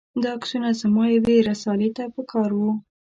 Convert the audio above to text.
دا عکسونه زما یوې رسالې ته په کار و.